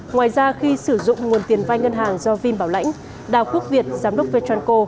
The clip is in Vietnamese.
ngoài ra khi sử dụng nguồn tiền vai ngân hàng do vin bảo lãnh đào quốc việt giám đốc vechanco